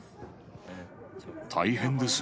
大変です。